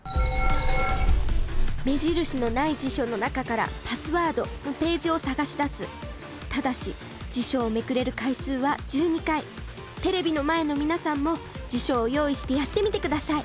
目印のない辞書の中から「パスワード」のページを探し出すただし辞書をめくれる回数は１２回テレビの前の皆さんも辞書を用意してやってみてください